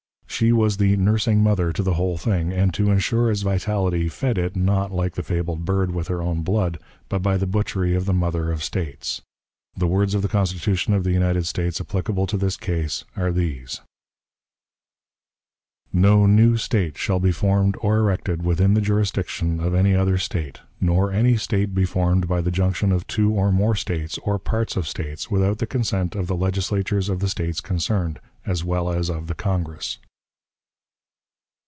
She was the nursing mother to the whole thing, and to insure its vitality fed it, not, like the fabled bird, with her own blood, but by the butchery of the mother of States. The words of the Constitution of the United States applicable to this case are these: "No new State shall be formed or erected within the jurisdiction of any other State; nor any State be formed by the junction of two or more States, or parts of States, without the consent of the Legislatures of the States concerned, as well as of the Congress."